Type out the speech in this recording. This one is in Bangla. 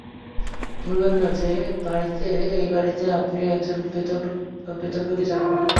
ভুলবেন না যে এই বাড়িতে আপনি একজন বেতনভোগী চাকর।